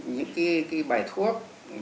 những cái bài thuốc